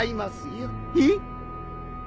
えっ？